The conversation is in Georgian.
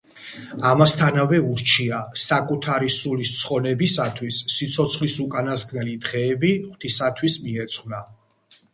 ამასთანავე ურჩია, საკუთარი სულის ცხონებისათვის სიცოცხლის უკანასკნელი დღეები ღვთისათვის მიეძღვნა.